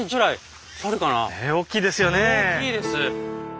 大きいです。